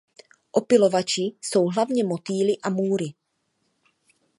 Opylovači jsou hlavně motýli a můry.